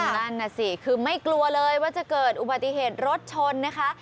นั่นน่ะสิคือไม่กลัวเลยว่าจะเกิดอุบัติเหตุรถชนนะคะ